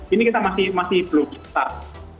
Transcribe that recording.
ini kita masih belum jelas